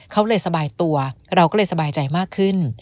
เขาเลยสบายตัวเราก็เลยสบายใจมากขึ้น